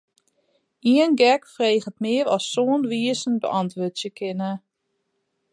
Ien gek freget mear as sân wizen beäntwurdzje kinne.